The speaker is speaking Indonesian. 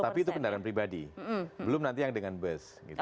tapi itu kendaraan pribadi belum nanti yang dengan bus